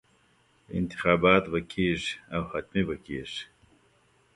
انتخابات به کېږي او حتمي به کېږي.